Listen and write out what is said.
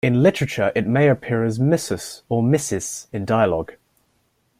In literature it may appear as "missus" or "missis" in dialogue.